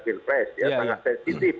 bilpres ya sangat sensitif